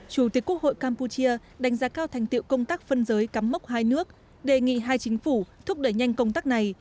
chủ tịch quốc hội campuchia đánh giá cao thành tiệu công tác phân giới cắm mốc hai nước đề nghị hai chính phủ thúc đẩy nhanh công tác này